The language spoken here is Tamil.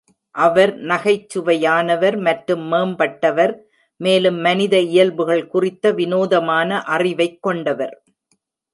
அவர் நகைச்சுவையானவர் மற்றும் மேம்பட்டவர். மேலும் மனித இயல்புகள் குறித்த விநோதமான அறிவைக் கொண்டவர்.